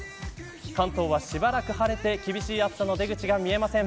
関東はしばらく晴れて厳しい暑さの出口が見えません。